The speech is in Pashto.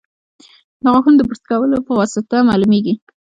د غاښونو د برس کولو په واسطه معلومېږي.